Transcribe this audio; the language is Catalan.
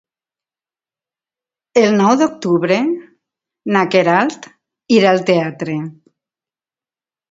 El nou d'octubre na Queralt irà al teatre.